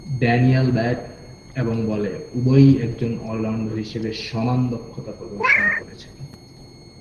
Daniel bat এবং বলে উভয়েই একজন অল-রাউন্ডার হিসেবে সমান দক্ষতা প্রদর্শন করেছেন।